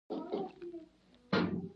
دویم صفت تجویزی توب نومېږي.